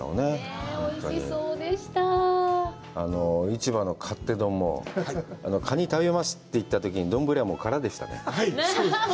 市場の勝手丼も、カニ食べますって言ったときに、丼はもうからでしたね。